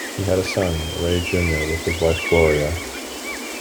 He had a son, Ray Junior with his wife Gloria.